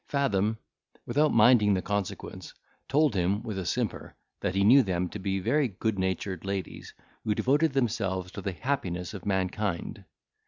Fathom, without minding the consequence, told him, with a simper, that he knew them to be very good natured ladies, who devoted themselves to the happiness of mankind.